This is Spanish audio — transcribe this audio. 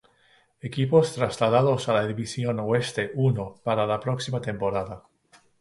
Equipos trasladados a la división Oeste-I para la próxima temporada.